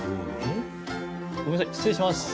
ごめんなさい、失礼します。